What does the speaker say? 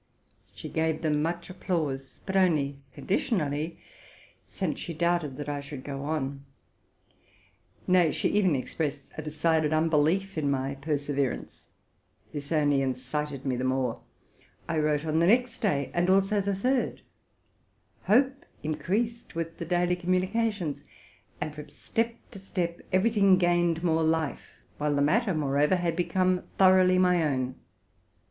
She gave them much applause, but only conditionally, since she doubted that I should go on so; nay, she even expressed a decided unbelief in my perseverance. This only incited me the more: I wrote on the next day, and also the third. Hope increased with the daily communice tions, and from step to step every thing gained more fie, ; while the matter, moreover, had become thoroughly my own.